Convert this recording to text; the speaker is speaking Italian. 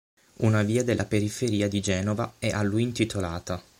Una via della periferia di Genova è a lui intitolata.